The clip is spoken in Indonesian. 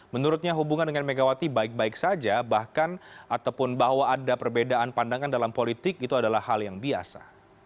menurutnya hubungan dengan megawati baik baik saja bahkan ataupun bahwa ada perbedaan pandangan dalam politik itu adalah hal yang biasa